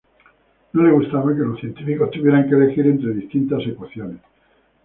No le gustaba que los científicos tuvieran que elegir entre distintas ecuaciones.